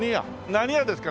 何屋ですか？